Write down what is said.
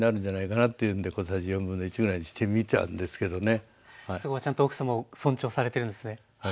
一番納得のそこはちゃんと奥さまを尊重されてるんですね。